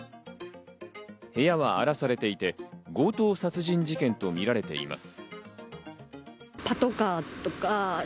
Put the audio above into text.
部屋は荒らされていて、強盗殺人事件とみられています。